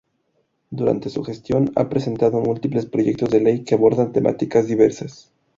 Durante su gestión ha presentado múltiples Proyectos de Ley que abordan temáticas diversas.